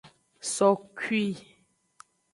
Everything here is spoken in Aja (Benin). Sokui.